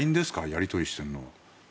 やり取りしているのは。